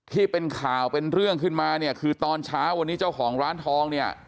ที่เป็นข่าวเป็นเรื่องขึ้นมาเนี่ยคือตอนเช้าวันนี้เจ้าของร้านทองเนี่ย